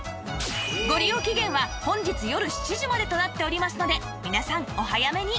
ご利用期限は本日よる７時までとなっておりますので皆さんお早めに